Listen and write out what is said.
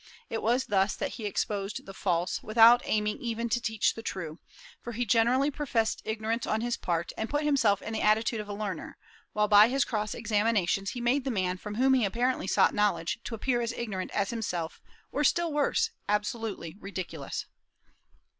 It was thus that he exposed the false, without aiming even to teach the true; for he generally professed ignorance on his part, and put himself in the attitude of a learner, while by his cross examinations he made the man from whom he apparently sought knowledge to appear as ignorant as himself, or, still worse, absolutely ridiculous.